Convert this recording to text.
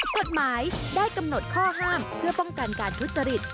กฎหมายได้กำหนดข้อห้ามเพื่อป้องกันการทุจริต